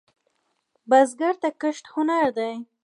بزګر ته کښت هنر دی